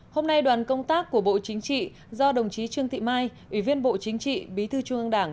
hôm nay đoàn công tác của bộ chính trị do đồng chí trương thị mai ủy viên bộ chính trị bí thư trung ương đảng